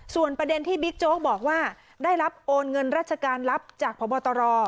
ส่วนประเด็นที่บิ๊กโจ๊กบอกว่าได้รับโอนเงินราชการรับจากพบตร